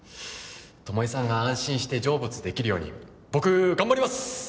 巴さんが安心して成仏できるように僕頑張ります！